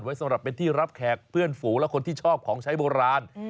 สำหรับเป็นที่รับแขกเพื่อนฝูและคนที่ชอบของใช้โบราณ